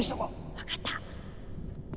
分かった。